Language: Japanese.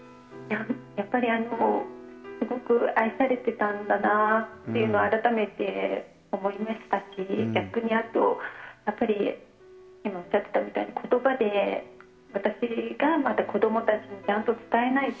やっぱり、すごく愛されてたんだなっていうのを改めて思いましたし逆に、あと今おっしゃったみたいに言葉で、私がまた子供たちにちゃんと伝えないと。